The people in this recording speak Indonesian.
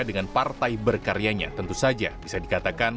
dengan partai berkaryanya tentu saja bisa dikatakan